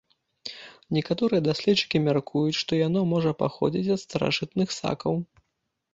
Некаторыя даследчыкі мяркуюць, што яно можа паходзіць ад старажытных сакаў.